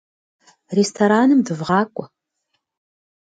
Рестораным дывгъакӏуэ.